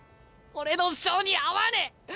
俺の性に合わねえ。